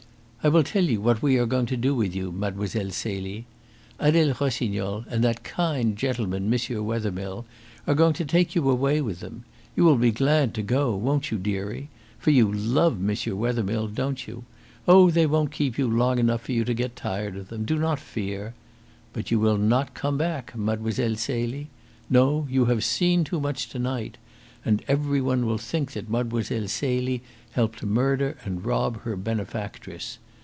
"I will tell you what we are going to do with you, Mlle. Celie. Adele Rossignol and that kind gentleman, M. Wethermill, are going to take you away with them. You will be glad to go, won't you, dearie? For you love M. Wethermill, don't you? Oh, they won't keep you long enough for you to get tired of them. Do not fear! But you will not come back, Mile. Celie. No; you have seen too much to night. And every one will think that Mlle. Celie helped to murder and rob her benefactress.